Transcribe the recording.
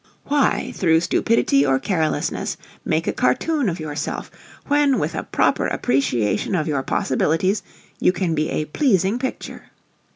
Why, through stupidity or carelessness, make a cartoon of yourself, when with a proper appreciation of your possibilities you can be a pleasing picture?